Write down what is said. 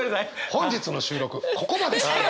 本日の収録ここまで。